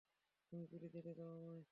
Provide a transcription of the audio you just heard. Sami please যেতে দাও আমায়!